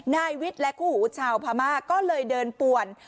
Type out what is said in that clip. นายวิทย์และคู่หูชาวพม่าก็เลยเดินป่วน